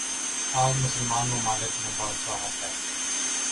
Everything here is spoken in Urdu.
آج مسلمان ممالک میںبادشاہت ہے۔